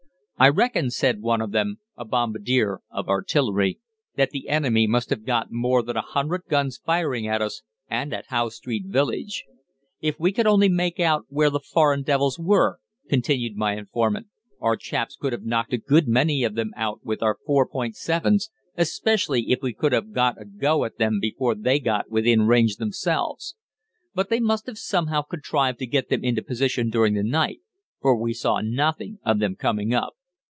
'I reckon,' said one of them, a bombardier of artillery, 'that the enemy must have got more than a hundred guns firing at us, and at Howe Street village. If we could only make out where the foreign devils were,' continued my informant, 'our chaps could have knocked a good many of them out with our four point sevens, especially if we could have got a go at them before they got within range themselves. But they must have somehow contrived to get them into position during the night, for we saw nothing of them coming up.